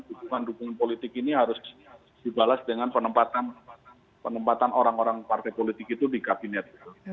dukungan dukungan politik ini harus dibalas dengan penempatan orang orang partai politik itu di kabinet